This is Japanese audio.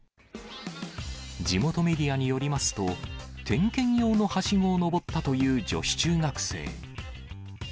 地元メディアによりますと、点検用のはしごを上ったという女子中学生。